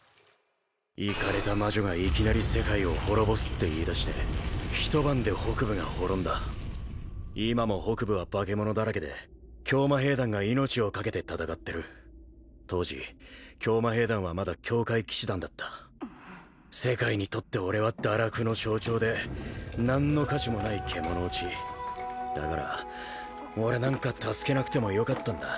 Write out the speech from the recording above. イカれた魔女がいきなり世界を滅ぼすって言いだして一晩で北部が滅んだ今も北部は化け物だらけで教魔兵団が命を懸けて戦ってる当時教魔兵団はまだ教会騎士団だった世界にとって俺は堕落の象徴で何の価値もない獣堕ちだから俺なんか助けなくてもよかったんだ